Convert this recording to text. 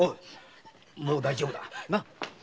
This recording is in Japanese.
もう大丈夫だ。